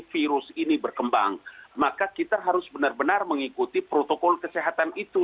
virus ini berkembang maka kita harus benar benar mengikuti protokol kesehatan itu